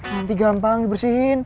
nanti gampang dibersihin